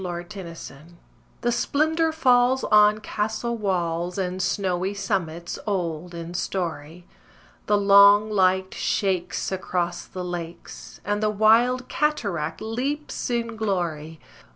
UNKNOWN THE BUGLE SONG The splendour falls on castle walls And snowy summits old in story: The long light shakes across the lakes, And the wild cataract leaps in glory.